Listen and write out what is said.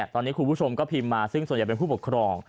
ตอนนี้คุณผู้ชมก็พิมพ์มาซึ่งส่วนใหญ่เป็นผู้ปกครอง